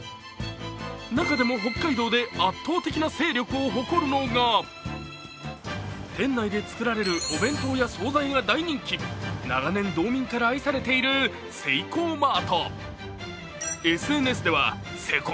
中でも北海道で圧倒的な勢力を誇るのが店内で作られるお弁当や総菜が大人気、長年道民から愛されているセイコーマート。